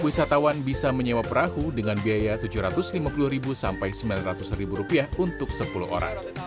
wisatawan bisa menyewa perahu dengan biaya rp tujuh ratus lima puluh sampai rp sembilan ratus untuk sepuluh orang